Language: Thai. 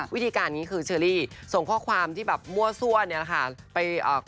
วิธีการนี้คือเชอรี่ส่งข้อความที่แบบมั่วซั่วเนี่ยนะคะ